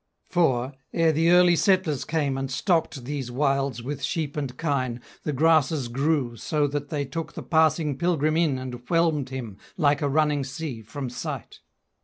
For, ere the early settlers came and stocked These wilds with sheep and kine, the grasses grew So that they took the passing pilgrim in And whelmed him, like a running sea, from sight.